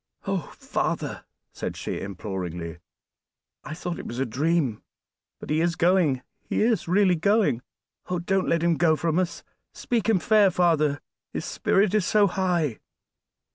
"Oh! father," said she imploringly, "I thought it was a dream, but he is going, he is really going. Oh! don't let him go from us; speak him fair, father, his spirit is so high!"